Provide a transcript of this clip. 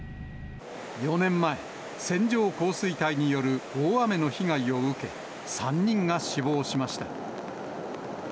４年前、線状降水帯による大雨の被害を受け、３人が死亡しました。